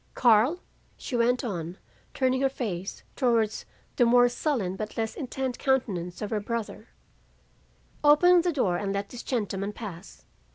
'Karl,' she went on, turning her face towards the more sullen but less intent countenance of her brother, 'open the door and let this gentleman pass.